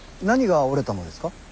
何が折れたのですか。